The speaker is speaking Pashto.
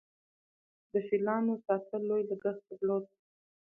د فیلانو ساتل لوی لګښت درلود